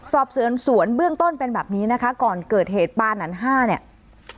สอบสวนสวนเบื้องต้นเป็นแบบนี้นะคะก่อนเกิดเหตุปานันห้าเนี่ย